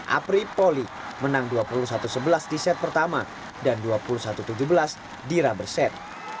apri poli menang dua puluh satu sebelas di set pertama dan dua puluh satu tujuh belas di rubber set